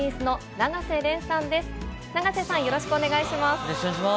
永瀬さん、よろしくお願いします。